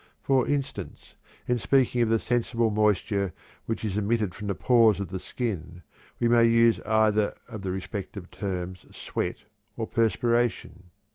For instance, in speaking of the sensible moisture which is emitted from the pores of the skin, we may use either of the respective terms "sweat" or "perspiration."